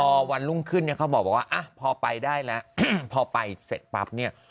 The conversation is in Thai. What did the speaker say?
พอวันรุ่งขึ้นเนี่ยเขาบอกว่าพอไปได้แล้วพอไปเสร็จปั๊บเนี่ย